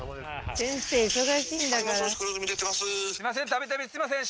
度々すいません